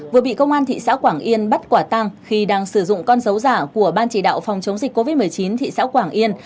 vừa bị công an thị xã quảng yên bắt quả tăng khi đang sử dụng con dấu giả của ban chỉ đạo phòng chống dịch covid một mươi chín thị xã quảng yên